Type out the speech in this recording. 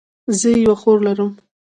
زه یوه خور لرم